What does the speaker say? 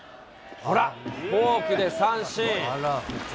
ほら、フォークで三振。